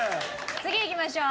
次いきましょう。